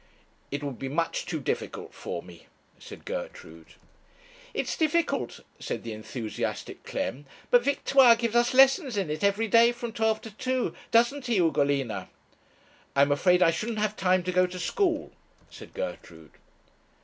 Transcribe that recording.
'It would be much too difficult for me,' said Gertrude. 'It is difficult,' said the enthusiastic Clem; 'but Victoire gives us lessons in it everyday from twelve to two doesn't he, Ugolina?' 'I'm afraid I shouldn't have time to go to school,' said Gertrude.